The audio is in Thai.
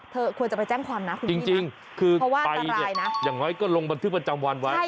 เธอควรจะไปแจ้งความนะคุณพี่นะเพราะว่าอันตรายนะจริงคือไปอย่างน้อยก็ลงบันทึกประจำวันไว้